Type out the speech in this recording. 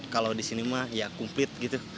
kalau di sini mah ya kumplit gitu